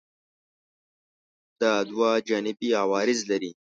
دا دوا جانبي عوارض لري؟